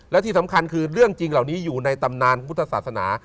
และที่สำคัญคือเรื่องจริงเหล่านี้อยู่ในตำนานพุทธศาสนา